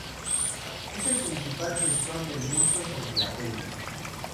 Es el principal flexor del muslo sobre la pelvis.